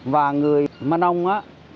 và người manong á